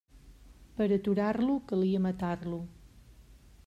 Per a aturar-lo calia matar-lo.